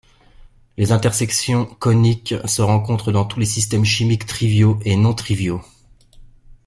Les intersections coniques se rencontrent dans tous les systèmes chimiques triviaux et non triviaux.